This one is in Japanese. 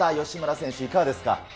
吉村選手、いかがですか。